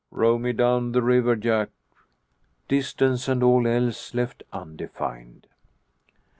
"Row me down the river, Jack!" distance and all else left undefined.